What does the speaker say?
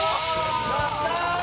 やった！